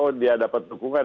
ini adalah keuntungan